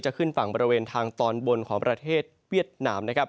ขึ้นฝั่งบริเวณทางตอนบนของประเทศเวียดนามนะครับ